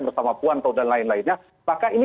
bersama puan atau dan lain lainnya maka ini